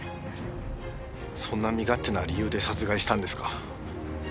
そんな身勝手な理由で殺害したんですか。